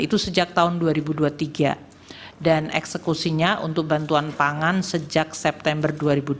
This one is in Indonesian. itu sejak tahun dua ribu dua puluh tiga dan eksekusinya untuk bantuan pangan sejak september dua ribu dua puluh